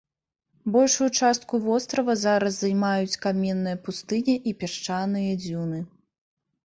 Большую частку вострава зараз займаюць каменная пустыня і пясчаныя дзюны.